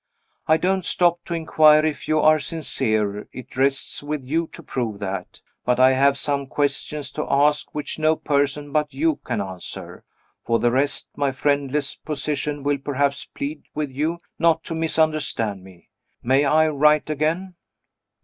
I don't stop to inquire if you are sincere it rests with you to prove that. But I have some questions to ask, which no person but you can answer. For the rest, my friendless position will perhaps plead with you not to misunderstand me. May I write again?"